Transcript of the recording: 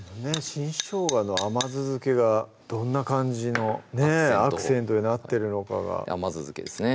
新しょうがの甘酢漬けがどんな感じのアクセントになってるのかが甘酢漬けですね